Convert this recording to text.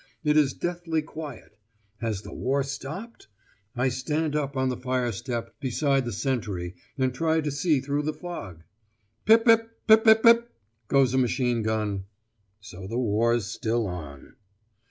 It is deathly quiet. Has the war stopped? I stand up on the fire step beside the sentry and try to see through the fog. 'Pip pip pip pip pip' goes a machine gun. So the war's still on.